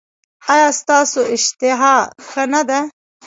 ایا ستاسو اشتها ښه نه ده؟